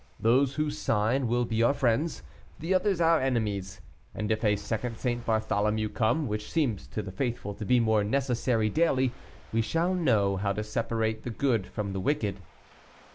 Those who sign will be our friends, the others our enemies, and if a second St. Bartholomew come, which seems to the faithful to be more necessary daily, we shall know how to separate the good from the wicked."